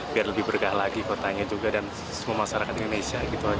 biar lebih berkah lagi kotanya juga dan semua masyarakat indonesia gitu aja